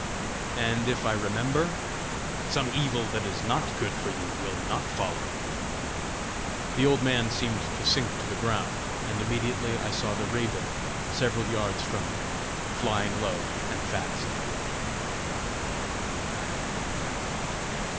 "And if I remember?" "Some evil that is not good for you, will not follow." The old man seemed to sink to the ground, and immediately I saw the raven several yards from me, flying low and fast.